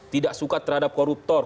tidak suka terhadap koruptor